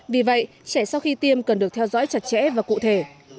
vì vậy trẻ sau khi tiêm cần được theo dõi chặt chẽ và cụ thể